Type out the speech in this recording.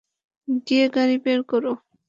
গিয়ে গাড়ি বের কর।